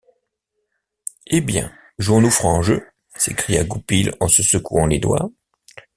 Eh! bien, jouons-nous franc jeu? s’écria Goupil en se secouant les doigts.